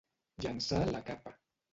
Llançar la capa.